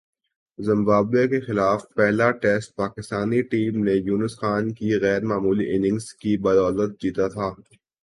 Zimbabwe کے خلاف پہلا ٹیسٹ پاکستانی ٹیم نے یونس خان کی غیر معمولی اننگز کی بدولت جیتا تھا